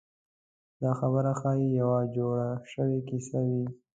دا خبره ښایي یوه جوړه شوې کیسه وي.